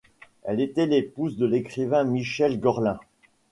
Elle était l'épouse de l'écrivain Michel Gorlin.